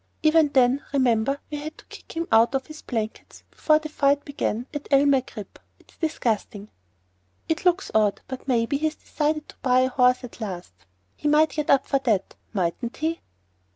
Even then, remember, we had to kick him out of his blankets before the fight began at El Maghrib. It's disgusting." "It looks odd; but maybe he's decided to buy a horse at last. He might get up for that, mightn't he?"